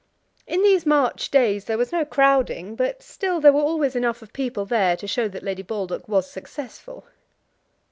In these March days there was no crowding, but still there were always enough of people there to show that Lady Baldock was successful.